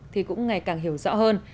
thì cũng ngày càng hiểu rõ hơn